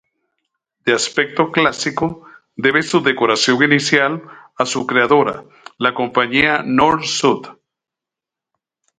De aspecto clásico, debe su decoración inicial a su creadora, la compañía "Nord-Sud".